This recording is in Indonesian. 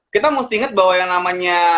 kita mesti ingat bahwa yang namanya